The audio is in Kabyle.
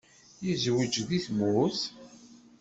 Yezweǧ deg tmurt?